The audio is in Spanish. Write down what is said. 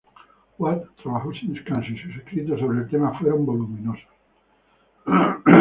Watt trabajó sin descanso, y sus escritos sobre el tema fueron voluminosos.